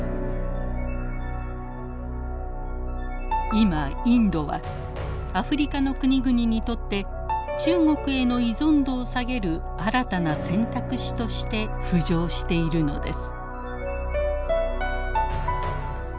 今インドはアフリカの国々にとって中国への依存度を下げる新たな選択肢として浮上しているのです。